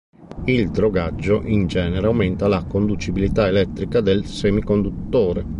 Il drogaggio in genere aumenta la conducibilità elettrica del semiconduttore.